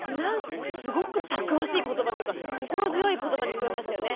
すごくたくましい言葉というか心強い言葉に聞こえましたよね。